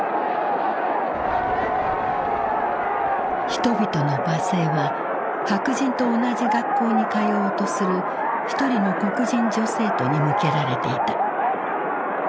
人々の罵声は白人と同じ学校に通おうとする一人の黒人女生徒に向けられていた。